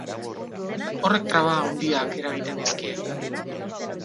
Horrek traba handiak eragiten dizkie.